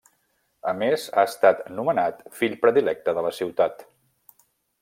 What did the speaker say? A més ha estat nomenat fill predilecte de la ciutat.